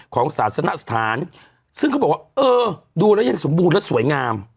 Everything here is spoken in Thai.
ศาสนสถานซึ่งเขาบอกว่าเออดูแล้วยังสมบูรณ์และสวยงาม